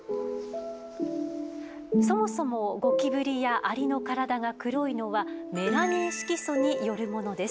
そもそもゴキブリやアリの体が黒いのはメラニン色素によるものです。